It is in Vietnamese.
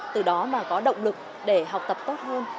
từ đó mà có động lực để học tập tốt hơn